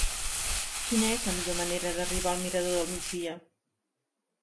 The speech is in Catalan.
Quina és la millor manera d'arribar al mirador del Migdia?